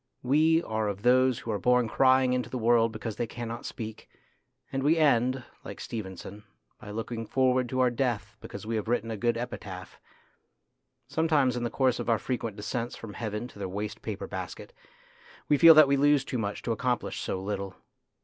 We are of those who are born crying into the world because they cannot speak, and we end, like Stevenson, by looking forward to our death because we have written a good epitaph. Sometimes in the course of our frequent descents from heaven to the waste paper basket we feel that we lose too much to accomplish so little.